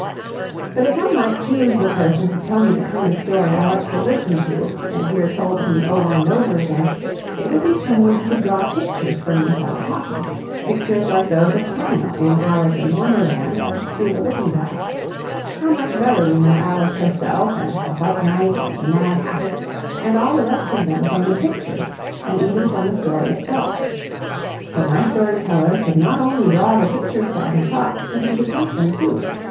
But if I might choose the person to tell me the kind of story I like to listen to, and hear told to me over and over again, it would be some one who could draw pictures for me while talking pictures like those of Tenniel in Alice in Wonderland and Through the Looking Glass. How much better we know Alice herself and the White Knight and the Mad Hatter and all the rest of them from the pictures than even from the story itself. But my story teller should not only draw the pictures while he talked, but he should paint them too.